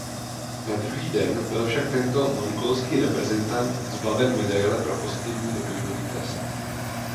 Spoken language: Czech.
Na druhý den byl však tento mongolský reprezentant zbaven medaile pro pozitivní dopingový test.